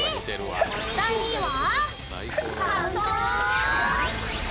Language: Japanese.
第２位は？